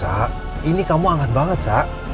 kak ini kamu hangat banget sa